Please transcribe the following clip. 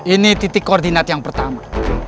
ini titik koordinat yang pertama